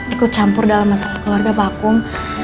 ikut campur dalam masalah keluarga pak kum